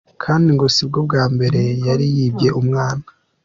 Kandi ngo sibwo bwa mbere yari yibye umwa.